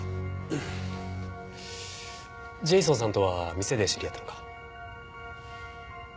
ジェイソンさんとは店で知り合ったのか？